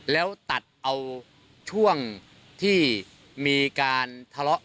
แล้วตัดเอาช่วงที่มีการทะเลาะ